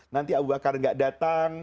nanti abu bakar nggak datang